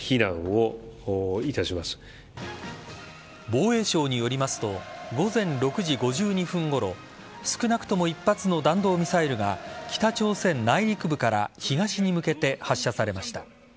防衛省によりますと午前６時５２分ごろ少なくとも１発の弾道ミサイルが北朝鮮内陸部から東に向けて発射されました。